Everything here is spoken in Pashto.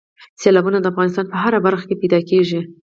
سیلابونه د افغانستان په هره برخه کې موندل کېږي.